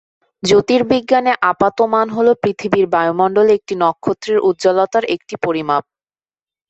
জ্যোতির্বিজ্ঞানে আপাত মান হলো পৃথিবীর বায়ুমণ্ডলে একটি নক্ষত্রের উজ্জ্বলতার একটি পরিমাপ।